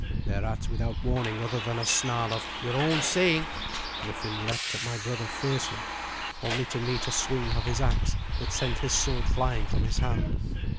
Thereat, without warning other than a snarl of "Your own saying," Griffin leapt at my brother fiercely, only to meet a swing of his axe that sent his sword flying from his hand.